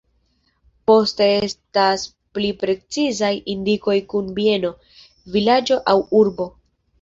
Poste estas pli precizaj indikoj kun bieno, vilaĝo aŭ urbo.